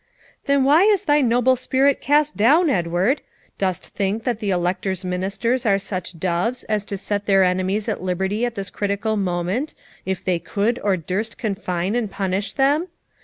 'Then why is thy noble spirit cast down, Edward? Dost think that the Elector's ministers are such doves as to set their enemies at liberty at this critical moment if they could or durst confine and punish them?